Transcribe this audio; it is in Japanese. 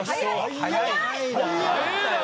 早い！